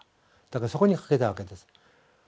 だからそこに賭けたわけです。